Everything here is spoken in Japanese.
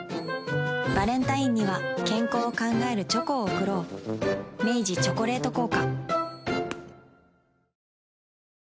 バレンタインには健康を考えるチョコを贈ろう明治「チョコレート効果」